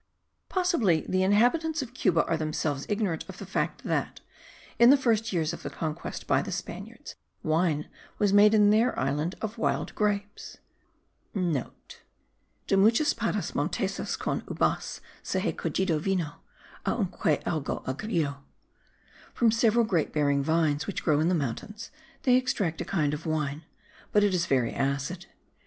Possibly the inhabitants of Cuba are themselves ignorant of the fact that, in the first years of the conquest by the Spaniards, wine was made in their island of wild grapes.* (* De muchas parras monteses con ubas se ha cogido vino, aunque algo agrio. [From several grape bearing vines which grow in the mountains, they extract a kind of wine; but it is very acid.